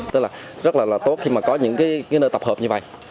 tức là rất là tốt khi mà có những cái nơi tập hợp như vậy